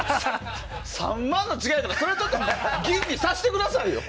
３万の違いとかそれは吟味させてくださいよ。